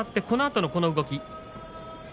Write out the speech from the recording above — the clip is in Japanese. このあとの動き